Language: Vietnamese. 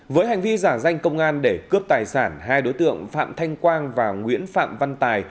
với hành vi giả danh công an để cướp tài sản hai đối tượng phạm thanh quang và nguyễn phạm văn tài